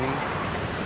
mupas mupas kulit kabel